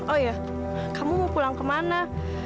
oh ya kamu mau pulang ke mana